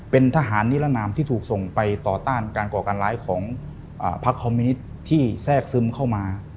เป็นทหารนิรนามที่ถูกส่งไปต่อต้านการก่อการร้ายของพักคอมมินิตที่แทรกซึมเข้ามา